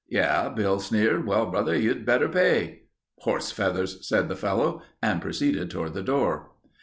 "Yeh," Bill sneered. "Well, brother, you'd better pay." "Horse feathers—" said the fellow and proceeded toward the door.